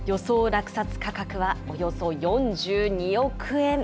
落札価格はおよそ４２億円。